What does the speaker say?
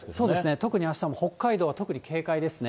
特にあした、北海道は特に警戒ですね。